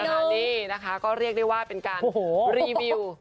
นี่นะคะก็เรียกได้ว่าเป็นการรีวิว